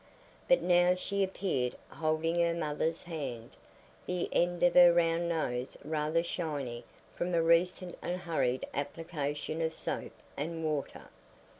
But now she appeared holding her mother's hand—the end of her round nose rather shiny from a recent and hurried application of soap and water.